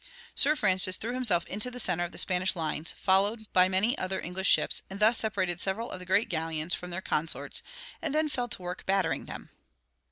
Sir Francis threw himself into the center of the Spanish lines, followed by many other English ships, and thus separated several of the great galleons from their consorts, and then fell to work battering them.